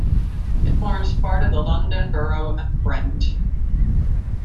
It forms part of the London Borough of Brent.